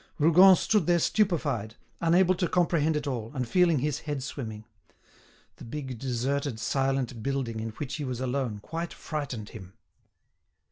Rougon stood there stupefied, unable to comprehend it all, and feeling his head swimming. The big, deserted, silent building, in which he was alone, quite frightened him.